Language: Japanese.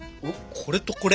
これとこれ？